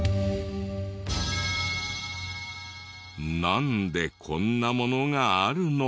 なんでこんなものがあるの？